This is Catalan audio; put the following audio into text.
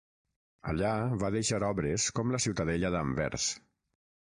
Allà va deixar obres com la Ciutadella d'Anvers.